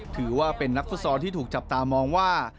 ถือว่าเป็นนักฟุตซอลที่ถูกจับตามองว่า